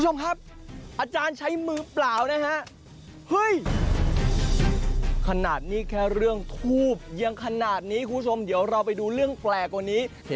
โอ้โฮ